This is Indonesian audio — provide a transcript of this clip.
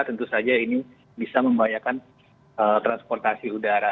tentu saja ini bisa membahayakan transportasi udara